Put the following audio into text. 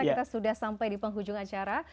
kita sudah sampai di penghujung acara